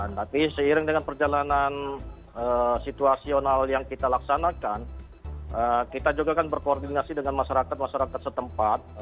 tapi seiring dengan perjalanan situasional yang kita laksanakan kita juga kan berkoordinasi dengan masyarakat masyarakat setempat